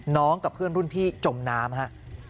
น้องกับเพื่อนรุ่นพี่จมน้ำ